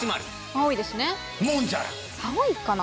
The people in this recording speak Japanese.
青いかな？